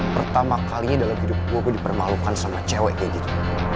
pertama kalinya dalam hidup gue gue dipermalukan sama cewek kayak gitu